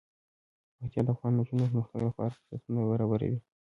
پکتیا د افغان نجونو د پرمختګ لپاره فرصتونه برابروي.